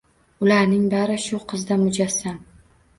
Ularning bari shu qizda mujassam.